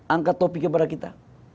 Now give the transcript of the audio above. angkat topik kepada kita